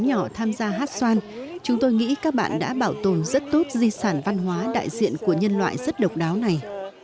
những người nhỏ tham gia hát xoan chúng tôi nghĩ các bạn đã bảo tồn rất tốt di sản văn hóa đại diện của nhân loại rất độc đáo này